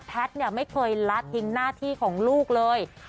ไม่เคยละทิ้งหน้าที่ของลูกเลย